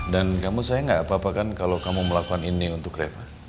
dan kamu sayang gak apa apa kan kalo kamu melakukan ini untuk reva